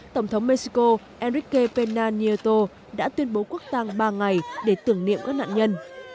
tổng thống mexico enrique pena nieto đã tuyên bố quốc tăng ba ngày để tưởng niệm các nạn nhân